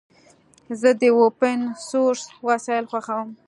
زه د اوپن سورس وسایل خوښوم.